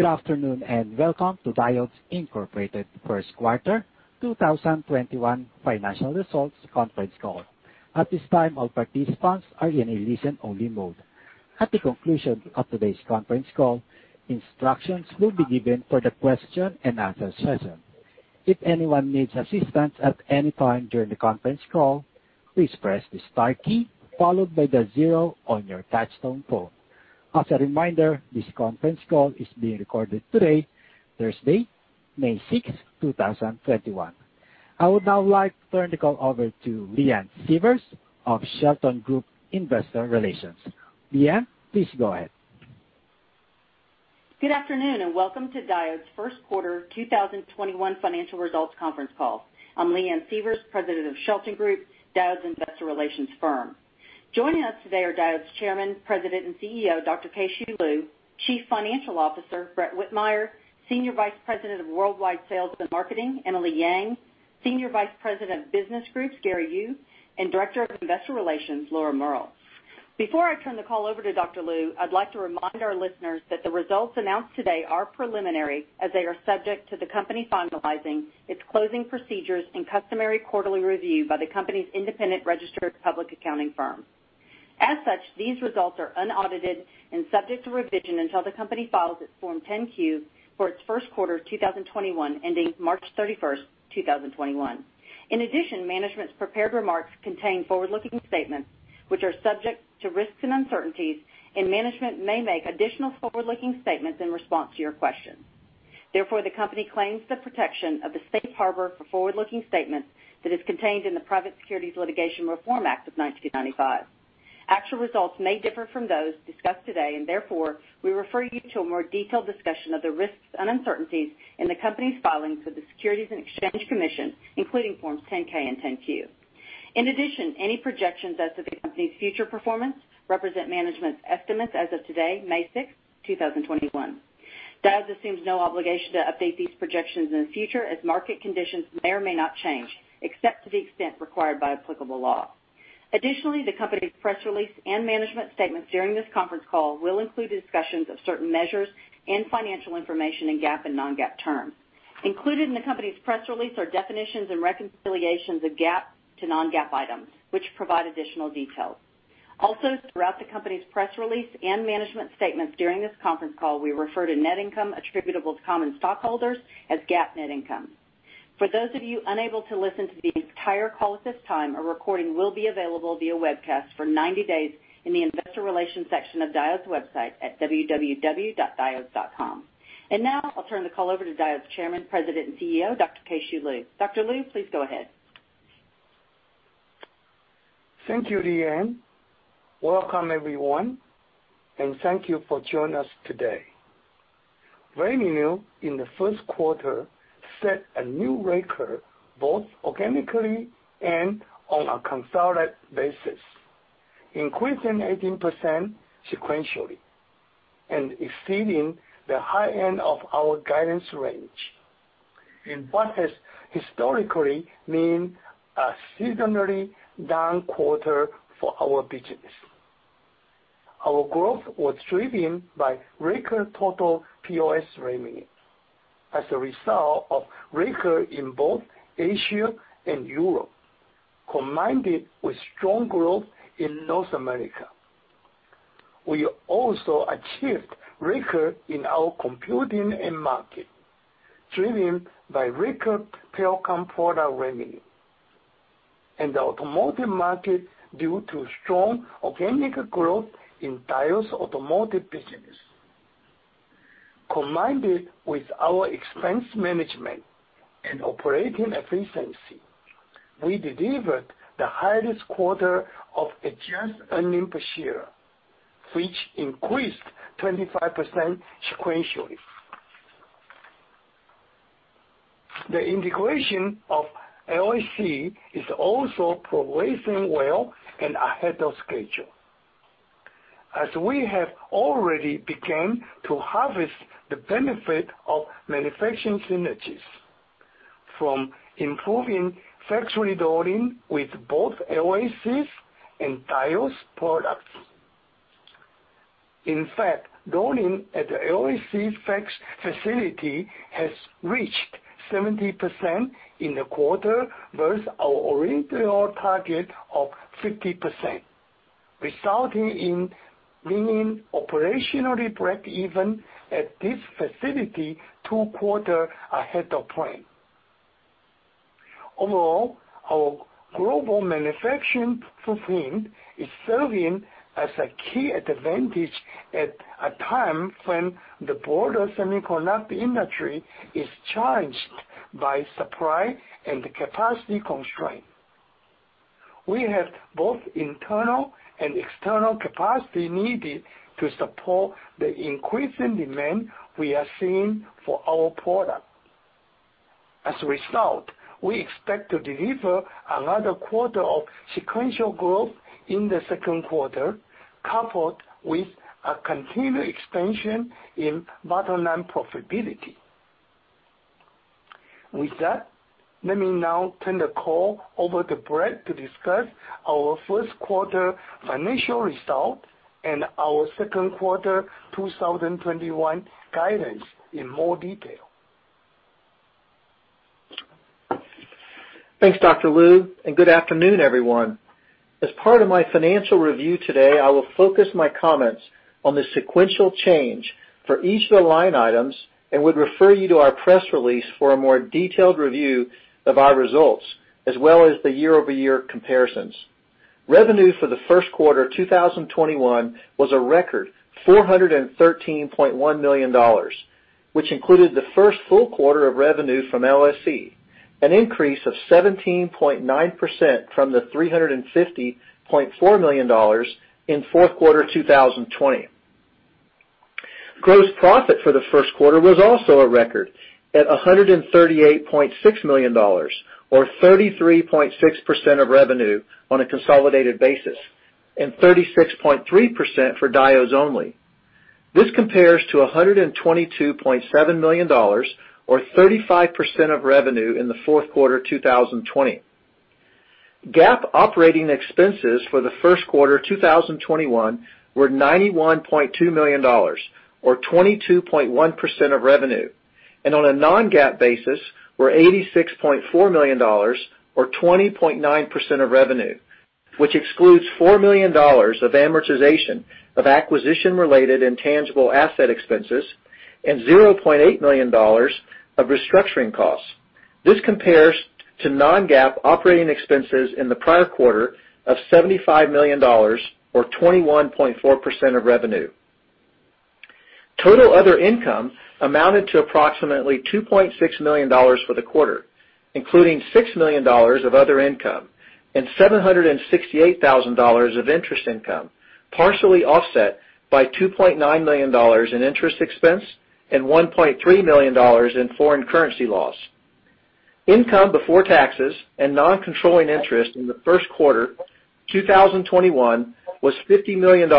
Good afternoon, welcome to Diodes Incorporated 1st Quarter 2021 Financial Results Conference Call. At this time, all participants are in a listen-only mode. At the conclusion of today's conference call, instructions will be given for the question and answer session. If anyone needs assistance at any time during the conference call, please press the star key followed by the zero on your touch-tone phone. As a reminder, this conference call is being recorded today, Thursday, May 6, 2021. I would now like to turn the call over to Leanne Sievers of Shelton Group Investor Relations. Leanne, please go ahead. Good afternoon, and welcome to Diodes' 1st Quarter 2021 Financial Results Conference Call. I'm Leanne Sievers, president of Shelton Group, Diodes' investor relations firm. Joining us today are Diodes' Chairman, President, and CEO, Dr. Keh-Shew Lu; Chief Financial Officer, Brett Whitmire; Senior Vice President of Worldwide Sales and Marketing, Emily Yang; Senior Vice President of Business Groups, Gary Yu; and Director of Investor Relations, Laura Fu. Before I turn the call over to Dr. Lu, I'd like to remind our listeners that the results announced today are preliminary as they are subject to the company finalizing its closing procedures and customary quarterly review by the company's independent registered public accounting firm. As such, these results are unaudited and subject to revision until the company files its Form 10-Q for its first quarter 2021, ending March 31st, 2021. In addition, management's prepared remarks contain forward-looking statements, which are subject to risks and uncertainties, and management may make additional forward-looking statements in response to your questions. Therefore, the company claims the protection of the safe harbor for forward-looking statements that is contained in the Private Securities Litigation Reform Act of 1995. Actual results may differ from those discussed today, and therefore, we refer you to a more detailed discussion of the risks and uncertainties in the company's filings with the Securities and Exchange Commission, including Forms 10-K and 10-Q. In addition, any projections as to the company's future performance represent management's estimates as of today, May 6, 2021. Diodes assumes no obligation to update these projections in the future as market conditions may or may not change, except to the extent required by applicable law. Additionally, the company's press release and management statements during this conference call will include discussions of certain measures and financial information in GAAP and non-GAAP terms. Included in the company's press release are definitions and reconciliations of GAAP to non-GAAP items, which provide additional details. Also, throughout the company's press release and management statements during this conference call, we refer to net income attributable to common stockholders as GAAP net income. For those of you unable to listen to the entire call at this time, a recording will be available via webcast for 90 days in the investor relation section of Diodes' website at www.diodes.com. Now, I'll turn the call over to Diodes Chairman, President, and CEO, Dr. Keh-Shew Lu. Dr. Lu, please go ahead. Thank you, Leanne. Welcome, everyone, and thank you for joining us today. Revenue in the first quarter set a new record, both organically and on a consolidated basis, increasing 18% sequentially and exceeding the high end of our guidance range. In what has historically been a seasonally down quarter for our business. Our growth was driven by record total POS revenue as a result of record revenue in both Asia and Europe, combined with strong growth in North America. We also achieved record revenue in our computing end market, driven by record telecom product revenue in the automotive market due to strong organic growth in Diodes' automotive business. Combined with our expense management and operating efficiency, we delivered the highest quarter of adjusted earnings per share, which increased 25% sequentially. The integration of LSC is also progressing well and ahead of schedule, as we have already began to harvest the benefit of manufacturing synergies from improving factory loading with both LSC's and Diodes' products. In fact, loading at the LSC facility has reached 70% in the quarter versus our original target of 50%, resulting in being operationally breakeven at this facility two quarters ahead of plan. Overall, our global manufacturing footprint is serving as a key advantage at a time when the broader semiconductor industry is challenged by supply and capacity constraints. We have both internal and external capacity needed to support the increasing demand we are seeing for our product. As a result, we expect to deliver another quarter of sequential growth in the second quarter, coupled with a continued expansion in bottom-line profitability. With that, let me now turn the call over to Brett to discuss our first quarter financial result and our second quarter 2021 guidance in more detail. Thanks, Dr. Lu, and good afternoon, everyone. As part of my financial review today, I will focus my comments on the sequential change for each of the line items and would refer you to our press release for a more detailed review of our results, as well as the year-over-year comparisons. Revenue for the first quarter 2021 was a record $413.1 million, which included the first full quarter of revenue from LSC, an increase of 17.9% from the $350.4 million in fourth quarter 2020. Gross profit for the first quarter was also a record at $138.6 million or 33.6% of revenue on a consolidated basis and 36.3% for Diodes only. This compares to $122.7 million or 35% of revenue in the fourth quarter 2020. GAAP operating expenses for the first quarter 2021 were $91.2 million or 22.1% of revenue. On a non-GAAP basis were $86.4 million or 20.9% of revenue, which excludes $4 million of amortization of acquisition-related intangible asset expenses and $0.8 million of restructuring costs. This compares to non-GAAP operating expenses in the prior quarter of $75 million or 21.4% of revenue. Total other income amounted to approximately $2.6 million for the quarter, including $6 million of other income and $768,000 of interest income, partially offset by $2.9 million in interest expense and $1.3 million in foreign currency loss. Income before taxes and non-controlling interest in the first quarter 2021 was $50 million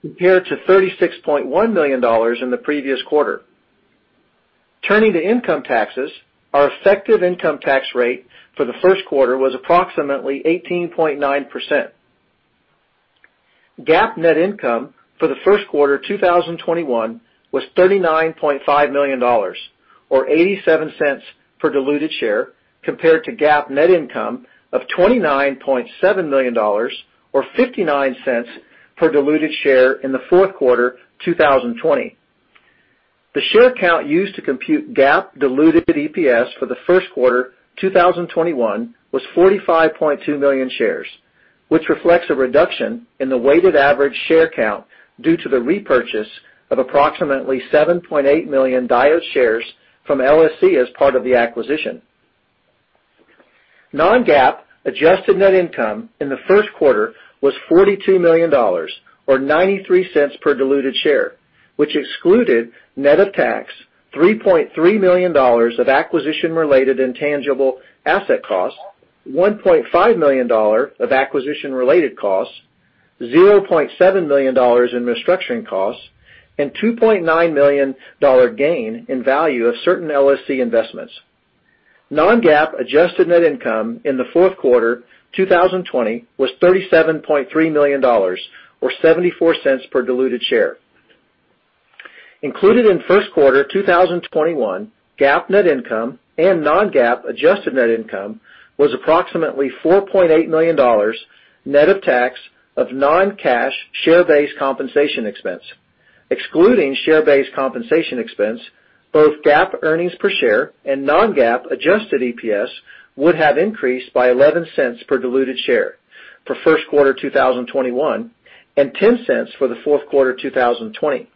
compared to $36.1 million in the previous quarter. Turning to income taxes, our effective income tax rate for the first quarter was approximately 18.9%. GAAP net income for the first quarter 2021 was $39.5 million or $0.87 per diluted share, compared to GAAP net income of $29.7 million or $0.59 per diluted share in the fourth quarter 2020. The share count used to compute GAAP diluted EPS for the first quarter 2021 was 45.2 million shares, which reflects a reduction in the weighted average share count due to the repurchase of approximately 7.8 million Diodes shares from LSC as part of the acquisition. Non-GAAP adjusted net income in the first quarter was $42 million, or $0.93 per diluted share, which excluded net of tax, $3.3 million of acquisition-related intangible asset costs, $1.5 million of acquisition-related costs, $0.7 million in restructuring costs, and $2.9 million gain in value of certain LSC investments. Non-GAAP adjusted net income in the fourth quarter 2020 was $37.3 million or $0.74 per diluted share. Included in first quarter 2021, GAAP net income and non-GAAP adjusted net income was approximately $4.8 million net of tax of non-cash share-based compensation expense. Excluding share-based compensation expense, both GAAP earnings per share and non-GAAP adjusted EPS would have increased by $0.11 per diluted share for first quarter 2021 and $0.10 for the fourth quarter 2020.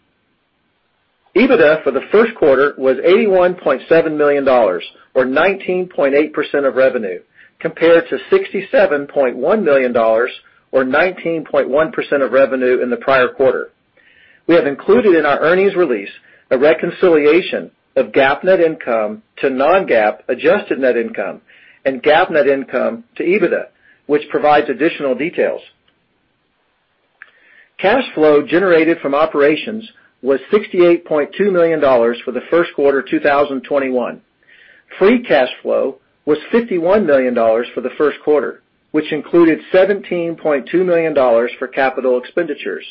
EBITDA for the first quarter was $81.7 million or 19.8% of revenue, compared to $67.1 million or 19.1% of revenue in the prior quarter. We have included in our earnings release a reconciliation of GAAP net income to non-GAAP adjusted net income and GAAP net income to EBITDA, which provides additional details. Cash flow generated from operations was $68.2 million for the first quarter 2021. Free cash flow was $51 million for the first quarter, which included $17.2 million for capital expenditures.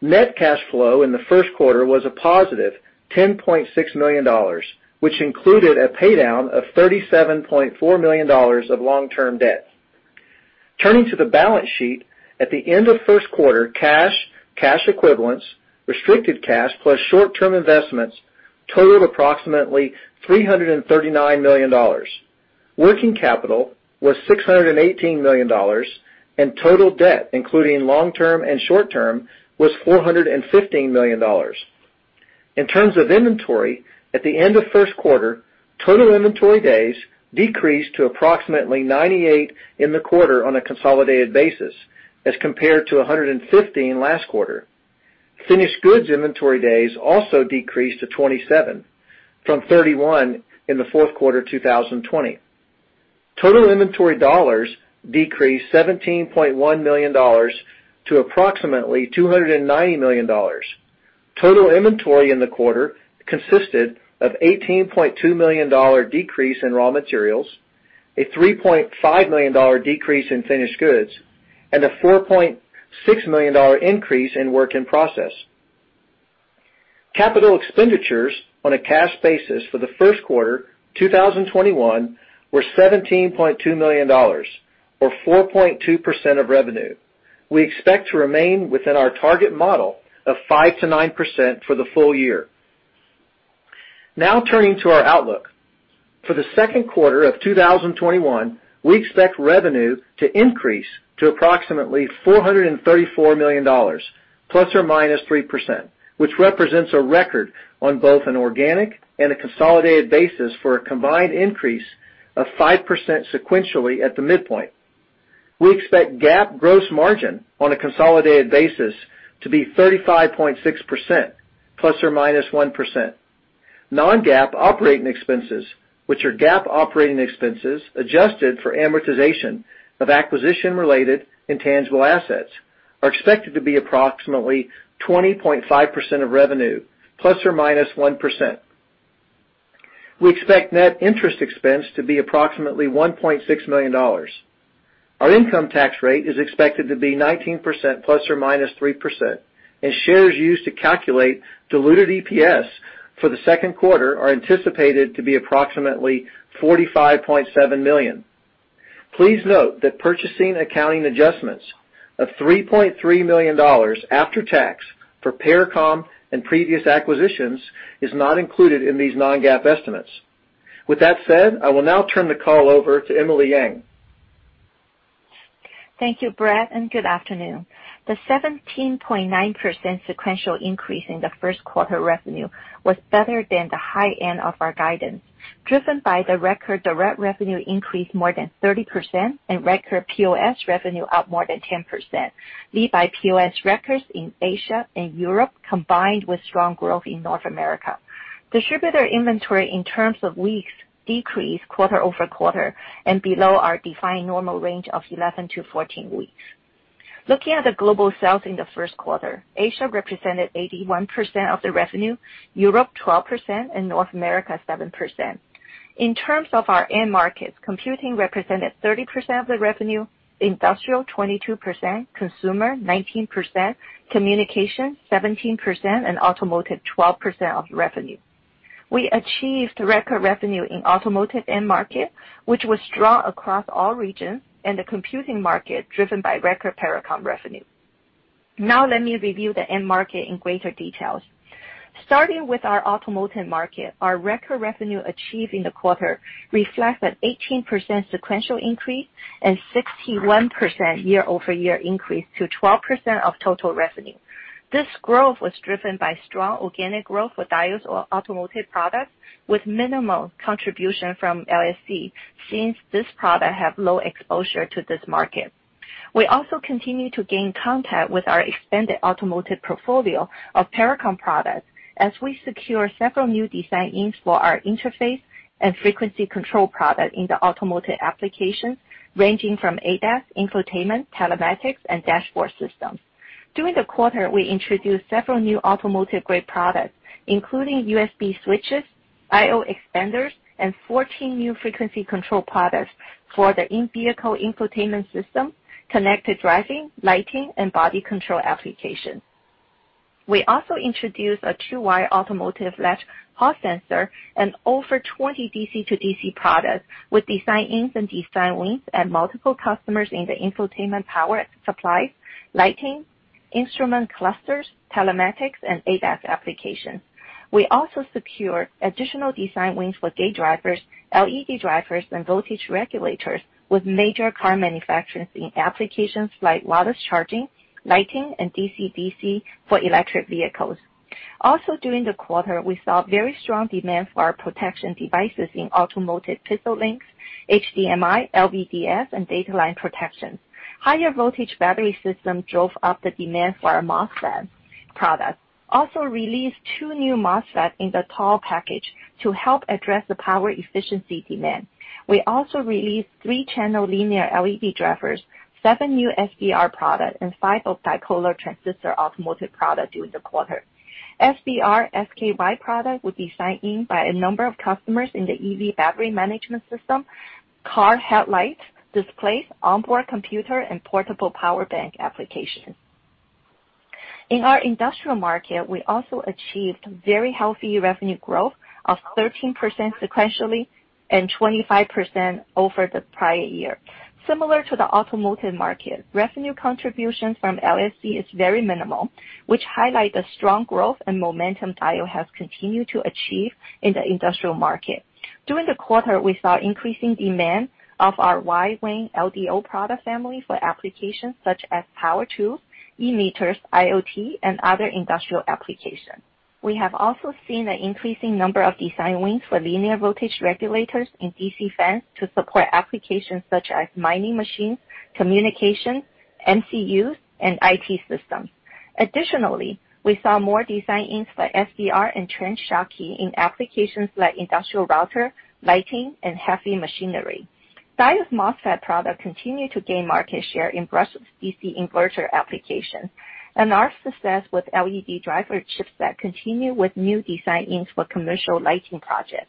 Net cash flow in the first quarter was a positive $10.6 million, which included a paydown of $37.4 million of long-term debt. Turning to the balance sheet, at the end of first quarter, cash equivalents, restricted cash plus short-term investments totaled approximately $339 million. Working capital was $618 million, and total debt, including long-term and short-term, was $415 million. In terms of inventory, at the end of first quarter, total inventory days decreased to approximately 98 in the quarter on a consolidated basis as compared to 115 last quarter. Finished goods inventory days also decreased to 27 from 31 in the fourth quarter 2020. Total inventory dollars decreased $17.1 million to approximately $290 million. Total inventory in the quarter consisted of $18.2 million decrease in raw materials, a $3.5 million decrease in finished goods, and a $4.6 million increase in work in process. Capital expenditures on a cash basis for the first quarter 2021 were $17.2 million, or 4.2% of revenue. We expect to remain within our target model of 5%-9% for the full year. Now turning to our outlook. For the second quarter of 2021, we expect revenue to increase to approximately $434 million, ±3%, which represents a record on both an organic and a consolidated basis for a combined increase of 5% sequentially at the midpoint. We expect GAAP gross margin on a consolidated basis to be 35.6%, ±1%. non-GAAP operating expenses, which are GAAP operating expenses adjusted for amortization of acquisition-related intangible assets, are expected to be approximately 20.5% of revenue, ±1%. We expect net interest expense to be approximately $1.6 million. Our income tax rate is expected to be 19%, ±3%, and shares used to calculate diluted EPS for the second quarter are anticipated to be approximately 45.7 million. Please note that purchasing accounting adjustments of $3.3 million after tax for Pericom and previous acquisitions is not included in these non-GAAP estimates. With that said, I will now turn the call over to Emily Yang. Thank you, Brett. Good afternoon. The 17.9% sequential increase in the first quarter revenue was better than the high end of our guidance, driven by the record direct revenue increase more than 30% and record POS revenue up more than 10%, led by POS records in Asia and Europe, combined with strong growth in North America. Distributor inventory in terms of weeks decreased quarter-over-quarter and below our defined normal range of 11-14 weeks. Looking at the global sales in the first quarter, Asia represented 81% of the revenue, Europe 12%, and North America 7%. In terms of our end markets, Computing represented 30% of the revenue, Industrial 22%, Consumer 19%, Communication 17%, and Automotive 12% of revenue. We achieved record revenue in Automotive end market, which was strong across all regions, and the Computing market driven by record Pericom revenue. Let me review the end market in greater details. Starting with our automotive market, our record revenue achieved in the quarter reflects an 18% sequential increase and 61% year-over-year increase to 12% of total revenue. This growth was driven by strong organic growth for Diodes or automotive products with minimal contribution from LSC, since this product have low exposure to this market. We also continue to gain contact with our expanded automotive portfolio of Pericom products as we secure several new design wins for our interface and frequency control product in the automotive applications, ranging from ADAS, infotainment, telematics, and dashboard systems. During the quarter, we introduced several new automotive-grade products, including USB switches, IO expanders, and 14 new frequency control products for the in-vehicle infotainment system, connected driving, lighting, and body control applications. We also introduced a two-wire automotive latch Hall sensor and over 20 DC-to-DC products with design-ins and design wins at multiple customers in the infotainment power supplies, lighting, instrument clusters, telematics, and ADAS applications. We also secured additional design wins for gate drivers, LED drivers, and voltage regulators with major car manufacturers in applications like wireless charging, lighting, and DC-to-DC for electric vehicles. Also, during the quarter, we saw very strong demand for our protection devices in automotive Pixel Link, HDMI, LVDS, and data line protection. Higher voltage battery system drove up the demand for our MOSFET products. Also released two new MOSFET in the TO-LL package to help address the power efficiency demand. We also released 3-channel linear LED drivers, seven new SBR products, and five optocoupler transistor automotive products during the quarter. SBR/Schottky products were designed-in by a number of customers in the EV battery management system, car headlight displays, onboard computer, and portable power bank applications. In our industrial market, we also achieved very healthy revenue growth of 13% sequentially and 25% over the prior year. Similar to the automotive market, revenue contributions from Lite-On Semi is very minimal, which highlight the strong growth and momentum Diodes has continued to achieve in the industrial market. During the quarter, we saw increasing demand of our wide VIN LDO product family for applications such as power tools, e-meters, IoT, and other industrial applications. We have also seen an increasing number of design wins for linear voltage regulators in DC fans to support applications such as mining machines, communication, MCUs, and IT systems. Additionally, we saw more design-ins for SBR and trench Schottky in applications like industrial router, lighting, and heavy machinery. Diodes MOSFET product continued to gain market share in brushless DC inverter applications, and our success with LED driver chips that continue with new design-ins for commercial lighting projects.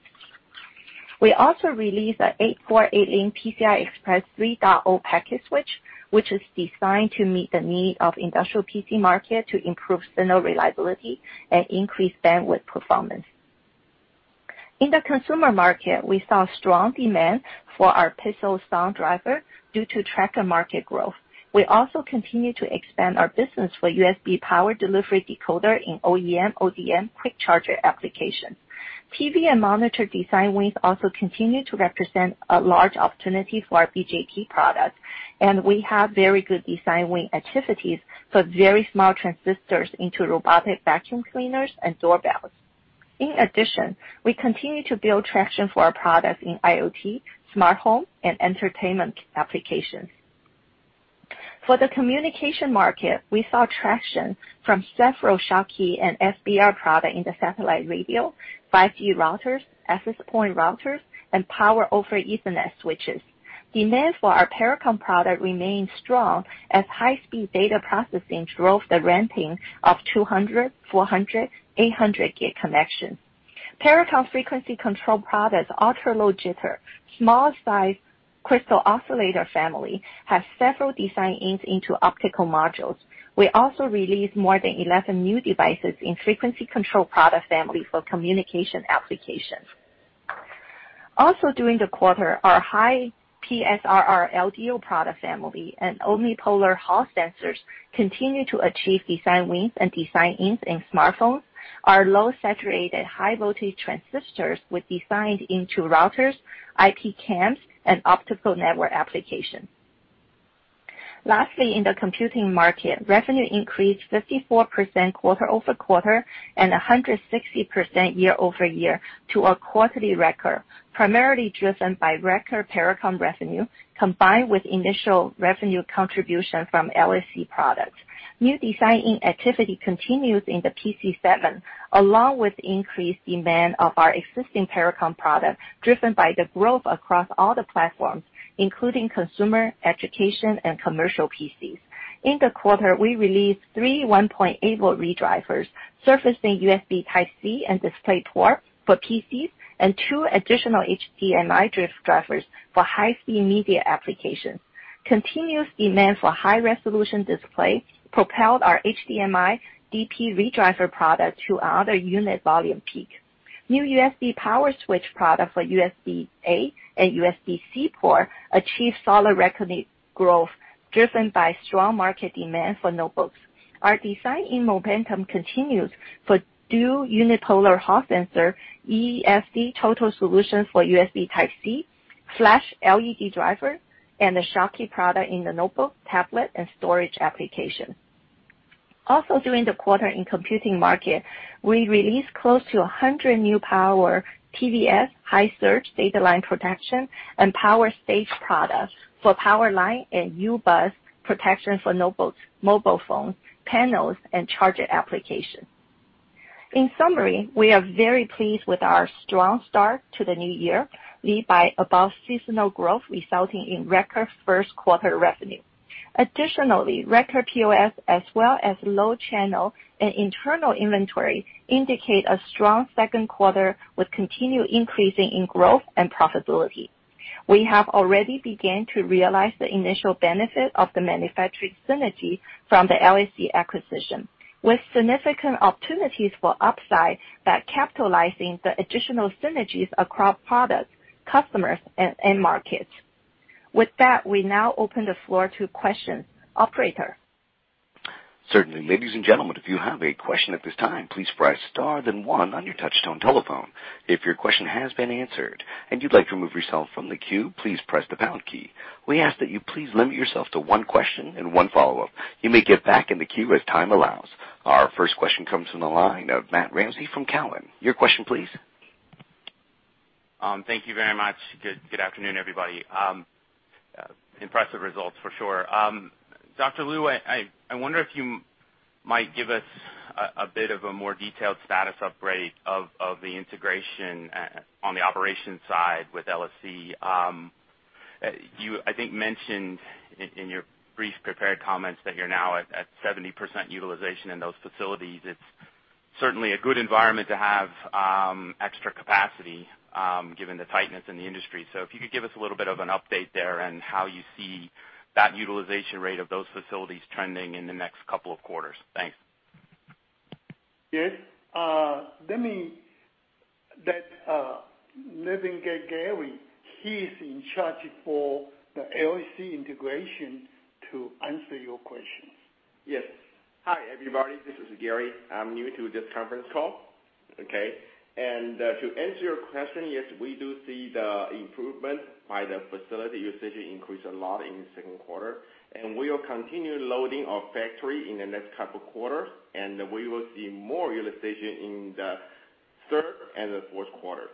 We also released a 8x8 lane PCI Express 3.0 packet switch, which is designed to meet the need of industrial PC market to improve signal reliability and increase bandwidth performance. In the consumer market, we saw strong demand for our piezo sounder driver due to tracker market growth. We also continue to expand our business for USB power delivery decoder in OEM/ODM quick charger application. PV and monitor design wins also continue to represent a large opportunity for our BJT products, and we have very good design win activities for very small transistors into robotic vacuum cleaners and doorbells. In addition, we continue to build traction for our products in IoT, smart home, and entertainment applications. For the communication market, we saw traction from several Schottky and SBR product in the satellite radio, 5G routers, access point routers, and Power over Ethernet switches. Demand for our Pericom product remains strong as high-speed data processing drove the ramping of 200, 400, 800 gig connections. Pericom frequency control products, ultra-low jitter, small size crystal oscillator family, have several design wins into optical modules. We also released more than 11 new devices in frequency control product family for communication applications. Also, during the quarter, our high PSRR LDO product family and omnipolar Hall sensors continued to achieve design wins and design ins in smartphones. Our low saturated high voltage transistors were designed into routers, IP cams, and optical network applications. In the computing market, revenue increased 54% quarter-over-quarter and 160% year-over-year to a quarterly record, primarily driven by record Pericom revenue combined with initial revenue contribution from LSC products. New design-in activity continues in the PC segment, along with increased demand of our existing Pericom product, driven by the growth across all the platforms, including consumer, education, and commercial PCs. In the quarter, we released three 1.8 volt redrivers, servicing USB Type-C and DisplayPort for PCs, and two additional HDMI redrivers for high-speed media applications. Continuous demand for high-resolution display propelled our HDMI/DP ReDriver product to another unit volume peak. New USB power switch product for USB-A and USB-C port achieved solid revenue growth, driven by strong market demand for notebooks. Our design-in momentum continues for dual unipolar Hall sensor, EFD total solutions for USB Type-C, flash LED driver, and the Schottky product in the notebook, tablet, and storage application. Also, during the quarter in computing market, we released close to 100 new power TVS, high surge data line protection, and power stage products for power line and U-Bus protection for notebooks, mobile phones, panels, and charger application. In summary, we are very pleased with our strong start to the new year, lead by above seasonal growth, resulting in record first quarter revenue. Additionally, record POS as well as low channel and internal inventory indicate a strong second quarter with continued increasing in growth and profitability. We have already began to realize the initial benefit of the manufacturing synergy from the Lite-On Semi acquisition, with significant opportunities for upside by capitalizing the additional synergies across products, customers, and end markets. With that, we now open the floor to questions. Operator? Certainly. Ladies and gentlemen, if you have a question at this time, please press star then one on your touch-tone telephone. If your question has been answered and you'd like to remove yourself from the queue, please press the pound key. We ask that you please limit yourself to one question and one follow-up. You may get back in the queue as time allows. Our first question comes from the line of Matthew Ramsay from Cowen. Your question please. Thank you very much. Good afternoon, everybody. Impressive results for sure. Dr. Lu, I wonder if you might give us a bit of a more detailed status upgrade of the integration on the operations side with LSC. You, I think, mentioned in your brief prepared comments that you're now at 70% utilization in those facilities. It's certainly a good environment to have extra capacity given the tightness in the industry. If you could give us a little bit of an update there and how you see that utilization rate of those facilities trending in the next couple of quarters. Thanks. Yes. Let me get Gary. He's in charge for the LSC integration to answer your question. Yes. Hi, everybody. This is Gary. I'm new to this conference call. Okay. To answer your question, yes, we do see the improvement by the facility usage increase a lot in the second quarter, and we will continue loading our factory in the next couple quarters, and we will see more utilization in the third and the fourth quarter.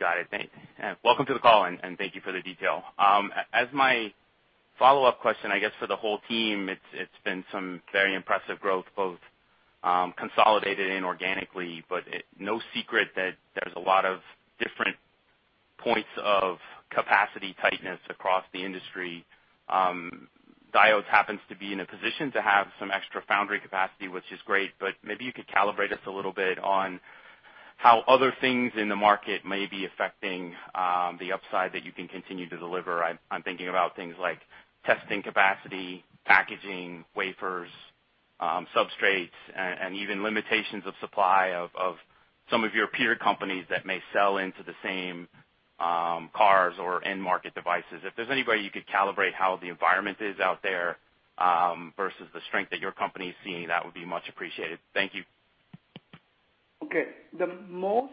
Got it. Thanks. Welcome to the call. Thank you for the detail. As my follow-up question, I guess for the whole team, it's been some very impressive growth, both consolidated and organically. No secret that there's a lot of different points of capacity tightness across the industry. Diodes happens to be in a position to have some extra foundry capacity, which is great, but maybe you could calibrate us a little bit on how other things in the market may be affecting the upside that you can continue to deliver. I'm thinking about things like testing capacity, packaging, wafers, substrates, and even limitations of supply of some of your peer companies that may sell into the same cars or end market devices. If there's any way you could calibrate how the environment is out there versus the strength that your company is seeing, that would be much appreciated. Thank you. Okay. The most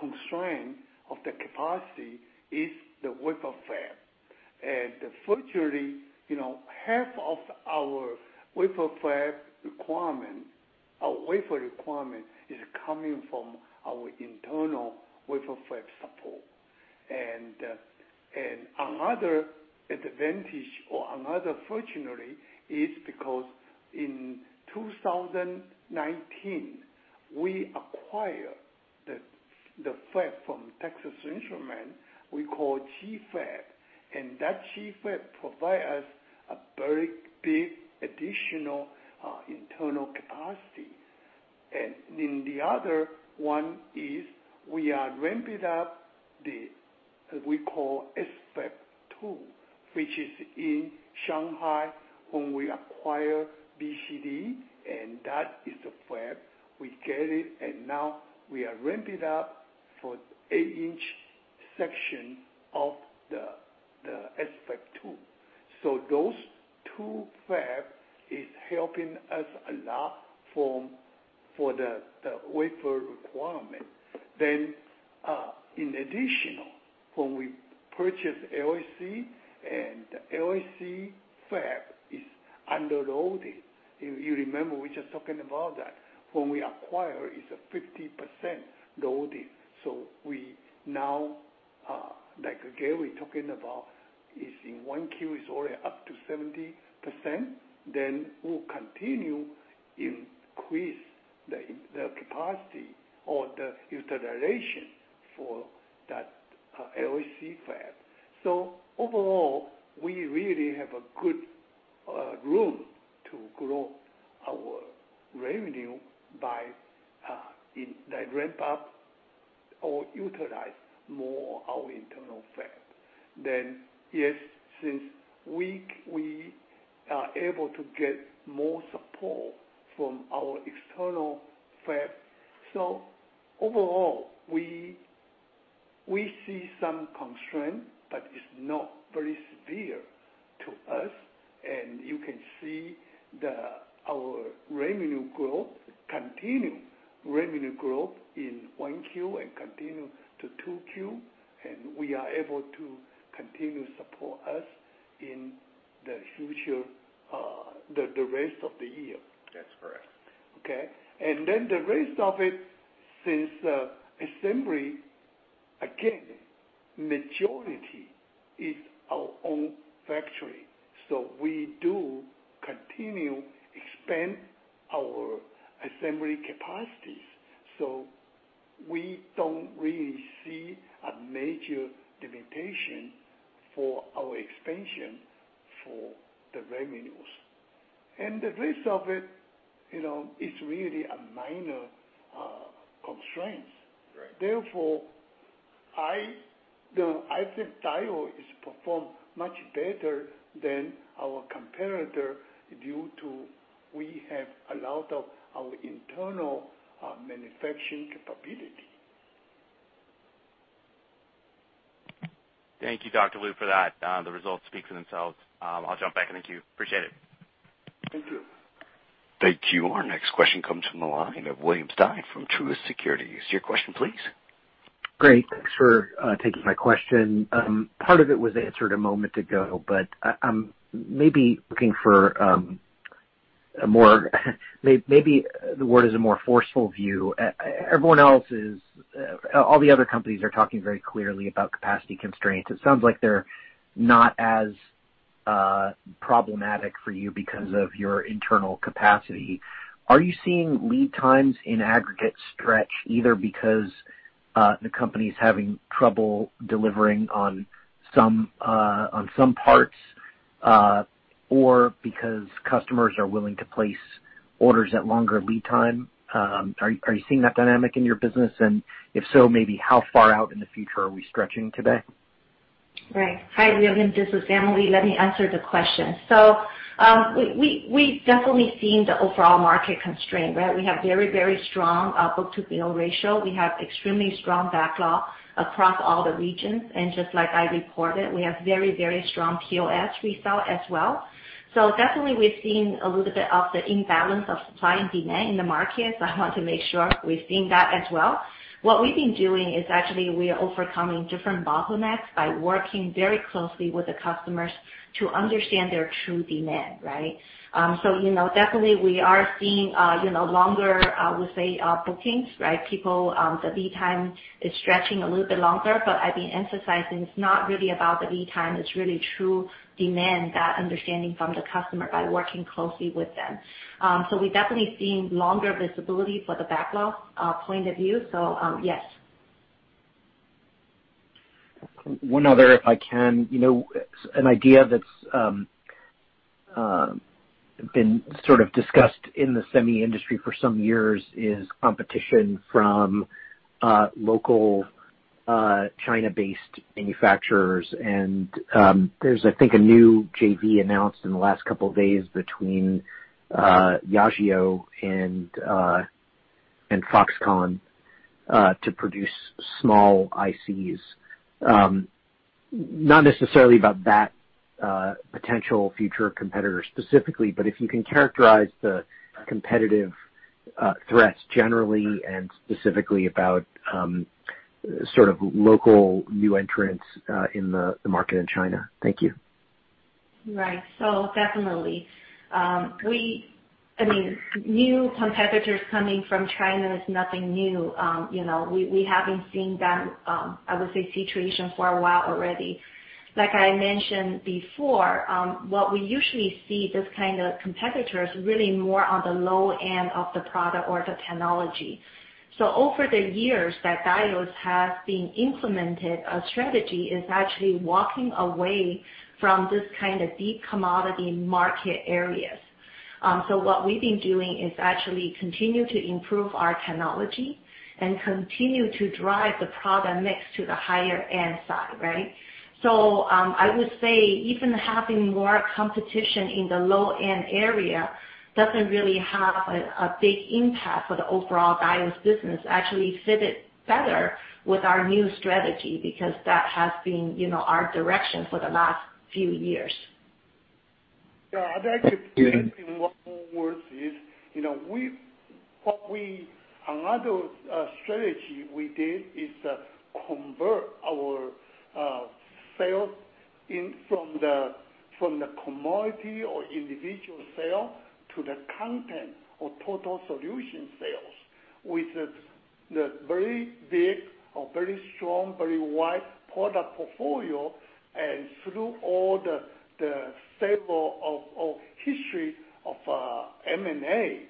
constraint of the capacity is the wafer fab. Fortunately, half of our wafer requirement is coming from our internal wafer fab support. Another advantage, or another fortunately, is because in 2019, we acquired the fab from Texas Instruments, we call G Fab, and that G Fab provide us a very big additional internal capacity. The other one is we are ramping up the, we call S Fab 2, which is in Shanghai, when we acquire BCD, and that is a fab. We get it, now we are ramping up for eight-inch section of the S Fab 2. Those two fabs is helping us a lot for the wafer requirement. In addition, when we purchase LSC fab is under loading. If you remember, we're just talking about that. When we acquire, it's 50% loading. We now, like Gary talking about, is in 1Q is already up to 70%, then we'll continue increase the capacity or the utilization for that LSC fab. Overall, we really have a good room to grow our revenue by ramp up or utilize more our internal fab. Yes, since we are able to get more support from our external fab. Overall, we see some constraint, but it's not very severe to us, and you can see our revenue growth, continued revenue growth in 1Q and continue to 2Q, and we are able to continue support us in the future, the rest of the year. That's correct. Okay. The rest of it, since assembly, again, majority is our own factory. We do continue expand our assembly capacities. We don't really see a major limitation for our expansion for the revenues. The rest of it's really a minor constraint. Right. I think Diodes has performed much better than our competitor due to we have a lot of our internal manufacturing capability. Thank you, Dr. Lu, for that. The results speak for themselves. I'll jump back in the queue. Appreciate it. Thank you. Thank you. Our next question comes from the line of William Stein from Truist Securities. Your question, please. Great. Thanks for taking my question. Part of it was answered a moment ago. I'm maybe looking for a more forceful view. All the other companies are talking very clearly about capacity constraints. It sounds like they're not as problematic for you because of your internal capacity. Are you seeing lead times in aggregate stretch, either because the company's having trouble delivering on some parts, or because customers are willing to place orders at longer lead time? Are you seeing that dynamic in your business? If so, maybe how far out in the future are we stretching today? Right. Hi, William. This is Emily. Let me answer the question. We've definitely seen the overall market constraint, right? We have very strong book to bill ratio. We have extremely strong backlog across all the regions, and just like I reported, we have very strong POS result as well. Definitely, we've seen a little bit of the imbalance of supply and demand in the market. I want to make sure we've seen that as well. What we've been doing is actually we are overcoming different bottlenecks by working very closely with the customers to understand their true demand, right? Definitely we are seeing longer, we say, bookings, right? People, the lead time is stretching a little bit longer, but I've been emphasizing it's not really about the lead time, it's really true demand that understanding from the customer by working closely with them. We've definitely seen longer visibility for the backlog point of view. Yes. One other, if I can. An idea that's been sort of discussed in the semi industry for some years is competition from local China-based manufacturers. There's, I think, a new JV announced in the last couple of days between Yageo and Foxconn to produce small ICs. Not necessarily about that potential future competitor specifically, but if you can characterize the competitive threats generally and specifically about sort of local new entrants in the market in China. Thank you. Right. Definitely. New competitors coming from China is nothing new. We have been seeing that, I would say, situation for a while already. Like I mentioned before, what we usually see, this kind of competitors, really more on the low end of the product or the technology. Over the years, Diodes has been implemented a strategy is actually walking away from this kind of deep commodity market areas. What we've been doing is actually continue to improve our technology and continue to drive the product next to the higher-end side, right? I would say even having more competition in the low-end area doesn't really have a big impact for the overall Diodes business, actually fit it better with our new strategy, because that has been our direction for the last few years. Yeah. I'd like to one more word is, another strategy we did is convert our sales from the commodity or individual sale to the content or total solution sales with the very big or very strong, very wide product portfolio. Through all the sale of history of M&A,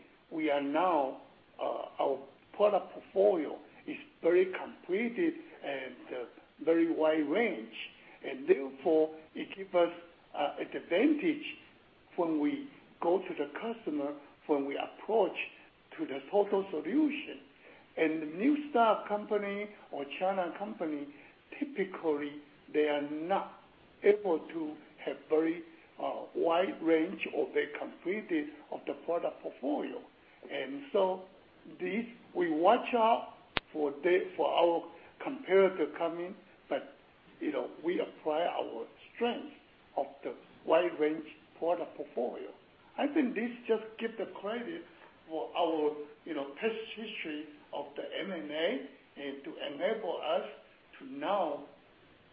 our product portfolio is very completed and very wide range, and therefore it give us advantage when we go to the customer, when we approach to the total solution. The new staff company or China company, typically, they are not able to have very wide range or very completed of the product portfolio. This, we watch out for our competitor coming, but we apply our strength of the wide range product portfolio. I think this just give the credit for our past history of the M&A, and to enable us to now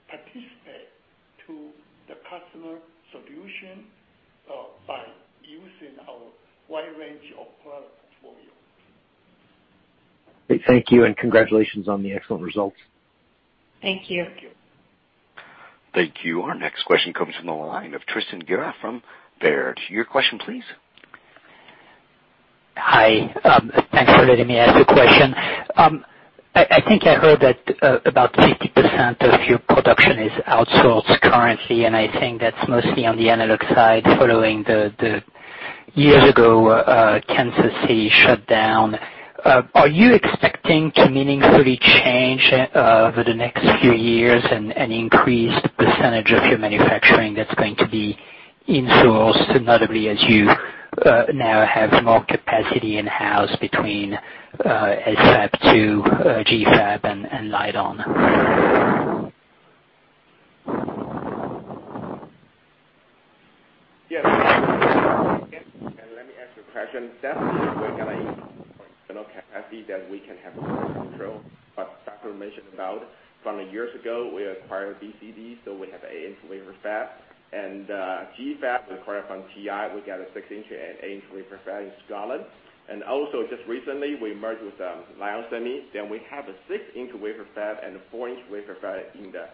participate to the customer solution, by using our wide range of product portfolio. Great. Thank you, and congratulations on the excellent results. Thank you. Thank you. Thank you. Our next question comes from the line of Tristan Gerra from Baird. Your question please. Hi. Thanks for letting me ask a question. I think I heard that about 50% of your production is outsourced currently, and I think that's mostly on the analog side following the years ago, Kansas City shut down. Are you expecting to meaningfully change over the next few years and increase the percentage of your manufacturing that's going to be insourced, notably as you now have more capacity in-house between SFAB 2, GFAB and Lite-On? Yes. Let me answer the question. Definitely we're going to increase our internal capacity that we can have more control, but Dr. mentioned about from the years ago, we acquired BCD Semiconductor, so we have eight-inch wafer fab. GFAB we acquired from TI, we got a six-inch and eight-inch wafer fab in Scotland. Also just recently we merged with Lite-On Semi. We have a six-inch wafer fab and a four-inch wafer fab in the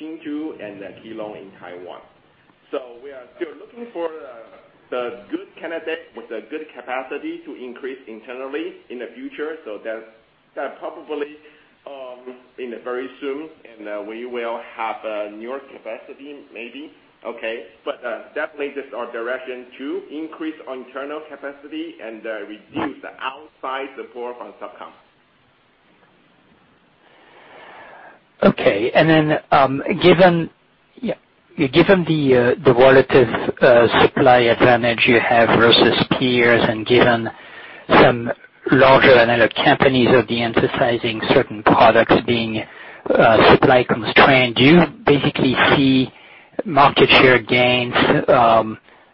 Jhongli and the Keelung in Taiwan. We are still looking for the good candidate with a good capacity to increase internally in the future. That probably in the very soon, we will have a newer capacity maybe. Okay? Definitely this our direction to increase our internal capacity and reduce the outside support from subcon. Okay. Given the relative supply advantage you have versus peers, and given some larger analog companies have de-emphasizing certain products being supply constrained, do you basically see market share gains,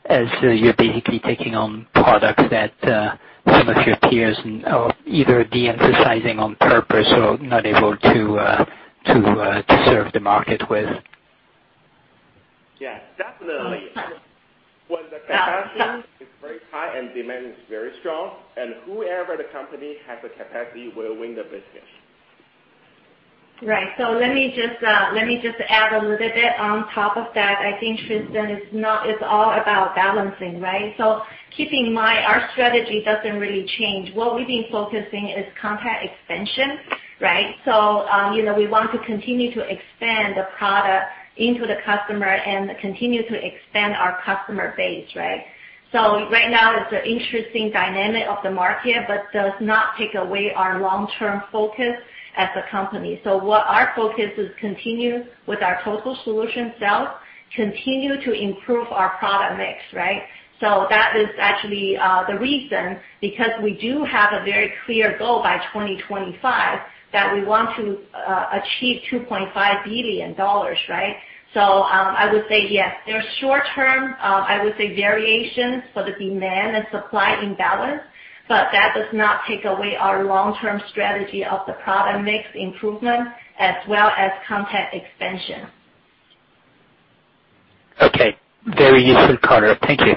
as you're basically taking on products that some of your peers are either de-emphasizing on purpose or not able to serve the market with? Yeah, definitely. When the capacity is very high and demand is very strong, and whoever the company has the capacity will win the business. Right. Let me just add a little bit on top of that. I think, Tristan, it's all about balancing, right? Keeping in mind, our strategy doesn't really change. What we've been focusing is content expansion, right? We want to continue to expand the product into the customer and continue to expand our customer base, right? Right now it's an interesting dynamic of the market, but does not take away our long-term focus as a company. What our focus is continue with our total solution sales, continue to improve our product mix, right? That is actually the reason, because we do have a very clear goal by 2025 that we want to achieve $2.5 billion, right? I would say yes, there are short-term variations for the demand and supply imbalance, but that does not take away our long-term strategy of the product mix improvement as well as content expansion. Okay. Very useful, Carter. Thank you.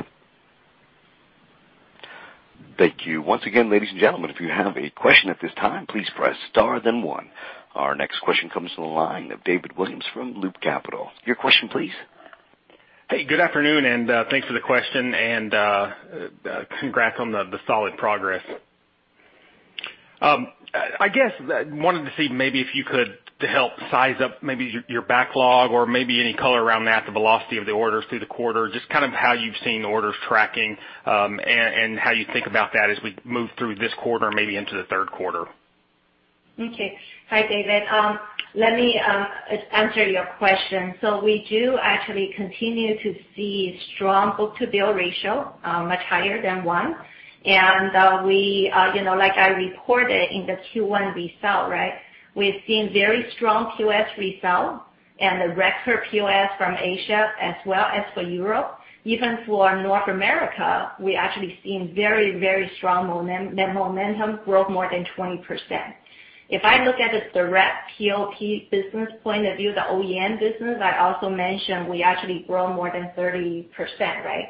Thank you. Once again, ladies and gentlemen, if you have a question at this time, please press star then one. Our next question comes from the line of David Williams from Loop Capital. Your question please. Good afternoon, thanks for the question and congrats on the solid progress. I guess I wanted to see maybe if you could help size up maybe your backlog or maybe any color around that, the velocity of the orders through the quarter, just kind of how you've seen the orders tracking, and how you think about that as we move through this quarter, maybe into the third quarter. Hi, David. Let me answer your question. We do actually continue to see strong book-to-bill ratio, much higher than one. Like I reported in the Q1 result, right? We've seen very strong POS results and the record POS from Asia as well as for Europe. Even for North America, we actually seen very strong momentum, growth more than 20%. If I look at the direct POS business point of view, the OEM business, I also mentioned we actually grow more than 30%, right?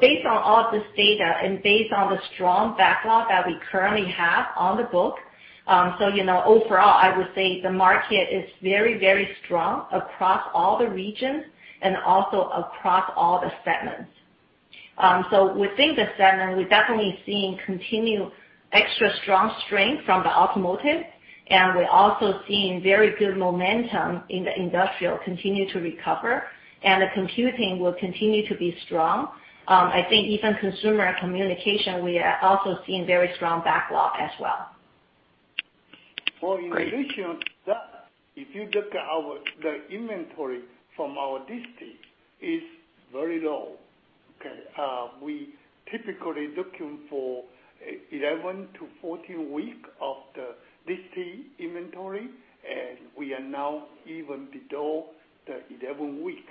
Based on all this data and based on the strong backlog that we currently have on the book, so overall, I would say the market is very strong across all the regions and also across all the segments. Within the segment, we're definitely seeing continue extra strong strength from the automotive, and we're also seeing very good momentum in the industrial continue to recover, and the computing will continue to be strong. I think even consumer and communication, we are also seeing very strong backlog as well. Great. Well, in addition, if you look at the inventory from our DC is very low. Okay. We typically looking for 11 to 14 week of the DC inventory, and we are now even below the 11 week.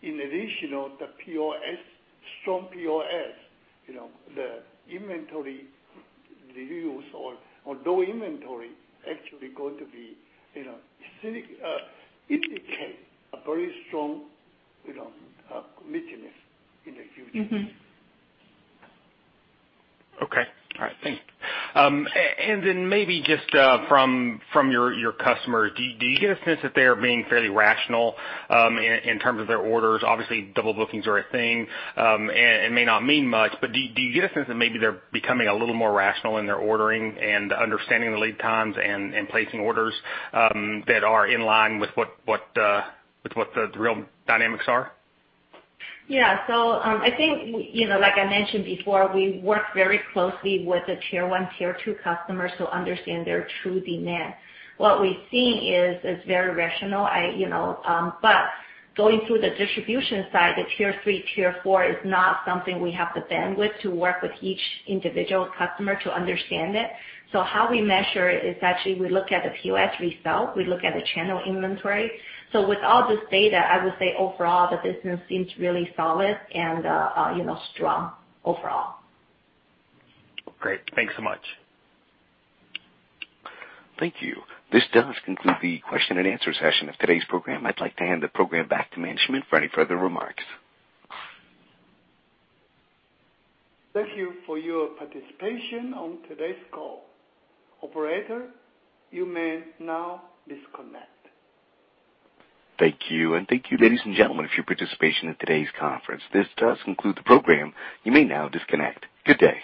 In addition of the strong POS, the inventory reuse or low inventory actually going to indicate a very strong business in the future. Okay. All right. Thank you. Maybe just from your customers, do you get a sense that they are being fairly rational in terms of their orders? Obviously, double bookings are a thing, and it may not mean much, but do you get a sense that maybe they're becoming a little more rational in their ordering and understanding the lead times and placing orders that are in line with what the real dynamics are? Yeah. I think, like I mentioned before, we work very closely with the tier 1, tier 2 customers to understand their true demand. What we've seen is very rational. Going through the distribution side, the tier 3, tier 4 is not something we have the bandwidth to work with each individual customer to understand it. How we measure it is actually we look at the POS result, we look at the channel inventory. With all this data, I would say overall, the business seems really solid and strong overall. Great. Thanks so much. Thank you. This does conclude the question and answer session of today's program. I'd like to hand the program back to management for any further remarks. Thank you for your participation on today's call. Operator, you may now disconnect. Thank you. Thank you, ladies and gentlemen, for your participation in today's conference. This does conclude the program. You may now disconnect. Good day.